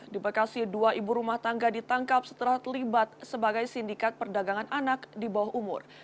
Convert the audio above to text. di bekasi dua ibu rumah tangga ditangkap setelah terlibat sebagai sindikat perdagangan anak di bawah umur